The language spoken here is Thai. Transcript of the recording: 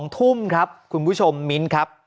๒ทุ่มครับคุณผู้ชมมิ้นครับ